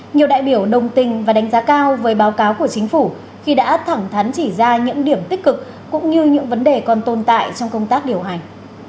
nhiều đại biểu đồng tình và đánh giá cao với báo cáo của chính phủ khi đã thẳng thắn chỉ ra những điểm tích cực cũng như những vấn đề còn tồn tại trong công tác điều hành